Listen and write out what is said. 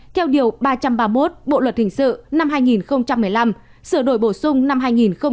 theo điều ba trăm ba mươi một bộ luật hình sự năm hai nghìn một mươi năm sửa đổi bổ sung năm hai nghìn một mươi bảy